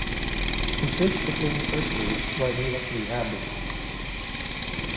He switched to playing first base while he was rehabbing.